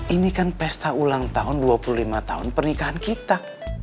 ini kan pesta ulang tahun dua puluh lima tahun pernikahan kita